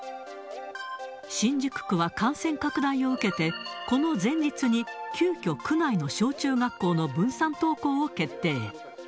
新宿区は感染拡大を受けて、この前日に急きょ、区内の小中学校の分散登校を決定。